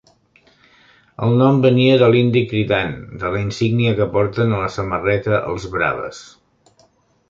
El nom venia de l'"indi cridant" de la insígnia que porten a la samarreta els Braves.